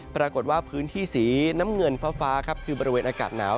ปรากฏว่าพื้นที่สีน้ำเงินฟ้าครับคือบริเวณอากาศหนาว